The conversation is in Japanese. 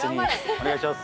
お願いします